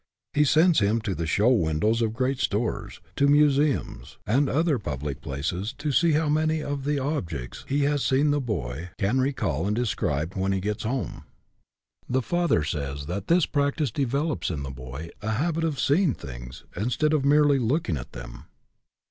He sends him to the show windows of great stores, to muse ums and other public places to see how many of the objects he has seen the boy can recall and describe when he gets home. The father says that this practice develops in the boy a habit of seeing things, instead of merely look ing at them.